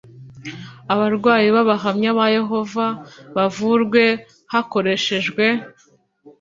abarwayi b Abahamya ba Yehova bavurwe hakoreshejwe